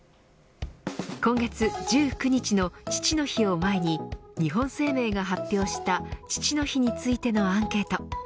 今月１９日の父の日を前に日本生命が発表した父の日についてのアンケート。